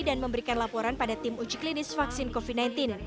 dan memberikan laporan pada tim uji klinis vaksin covid sembilan belas